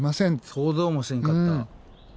想像もせんかった。